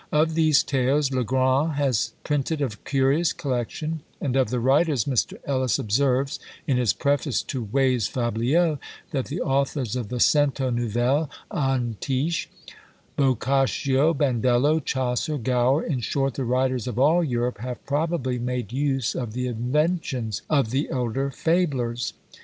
Of these tales, Le Grand has printed a curious collection; and of the writers Mr. Ellis observes, in his preface to "Way's Fabliaux," that the authors of the "Cento Novelle Antiche," Boccaccio, Bandello, Chaucer, Gower, in short, the writers of all Europe have probably made use of the inventions of the elder fablers.